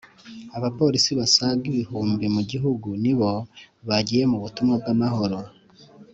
Abapolisi basaga ibihumbi mu gihugu nibo bagiye mu butumwa bw’amahoro